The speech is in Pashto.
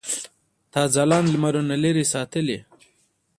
تا ځلاند لمرونه لرې ساتلي.